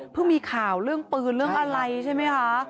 มีข่าวเรื่องปืนเรื่องอะไรใช่ไหมคะ